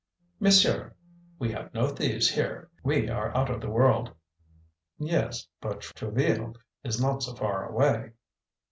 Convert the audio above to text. "Monsieur, we have no thieves here. We are out of the world." "Yes, but Trouville is not so far away."